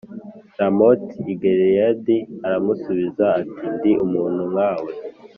Ramoti y i Galeyadi Aramusubiza ati Ndi umuntu nkawe